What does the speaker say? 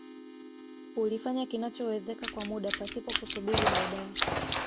Ulifanya kinachowezeka kwa muda pasipo kusubiri baadae